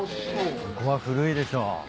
ここは古いでしょ。